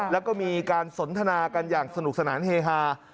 แล้วก็มีการสนทนากันอย่างสนุกสนานเฮฮา